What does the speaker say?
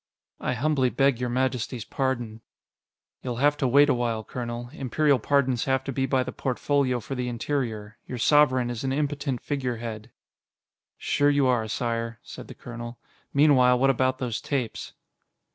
"I humbly beg your majesty's pardon." "You'll have to wait a while, colonel; Imperial pardons have to be by the Portfolio for the Interior. Your Sovereign is an impotent figurehead." "Sure you are, Sire," said the colonel. "Meanwhile, what about those tapes?"